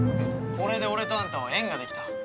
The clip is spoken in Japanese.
これで俺とあんたは縁ができた。